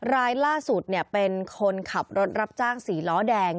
รายล่าสุดเป็นคนขับรถรับจ้างสี่ล้อแดง